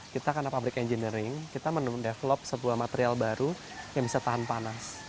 kita karena pabrik engineering kita mendevelop sebuah material baru yang bisa tahan panas